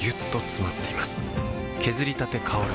削りたて香る